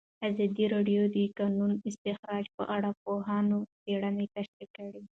ازادي راډیو د د کانونو استخراج په اړه د پوهانو څېړنې تشریح کړې.